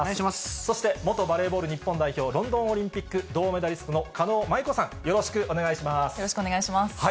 そして元バレーボール日本代表、ロンドンオリンピック銅メダリストの狩野舞子さん、よろしくよろしくお願いします。